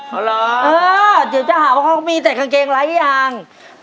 อ๋อเหรอเออเดี๋ยวจะหาว่าเขามีแต่กางเกงไร้ยาง